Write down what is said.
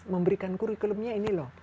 memberikan kurikulumnya ini loh